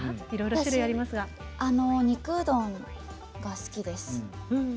私は肉うどんが好きです。